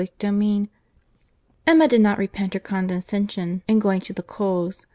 CHAPTER IX Emma did not repent her condescension in going to the Coles.